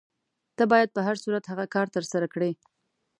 ته باید په هر صورت هغه کار ترسره کړې.